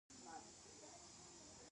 د ځګر سیروسس د الکولو له امله کېږي.